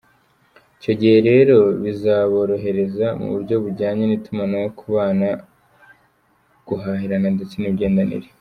Icyo gihe rero bizaborohereza mu buryo bujyanye n’itumanaho, kubana, guhahirana ndetse n’imigenderanire.